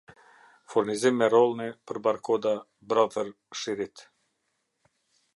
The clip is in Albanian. Furnizim me rollne për barkoda brother shirit